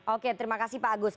oke terima kasih pak agus